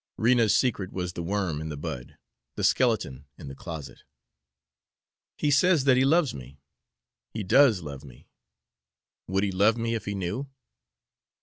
Rena's secret was the worm in the bud, the skeleton in the closet. "He says that he loves me. He DOES love me. Would he love me, if he knew?"